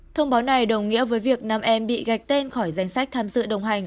thông báo này đồng nghĩa với việc nam em bị gạch tên khỏi danh sách tham dự đồng hành